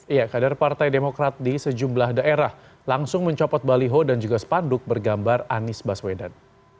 iya kader partai demokrat di sejumlah daerah langsung mencopot baliho dan juga spanduk bergambar anies baswedan